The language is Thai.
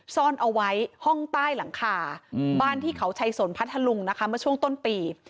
ซ่อนเอาไว้ห้องใต้หลังคาบ้านที่เขาชัยสนพัทธลุงนะคะเมื่อช่วงต้นปี